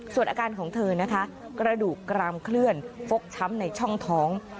ส่วนอาการของเธอนะคะกระดูกกรามเคลื่อนฟกช้ำในช่องท้อง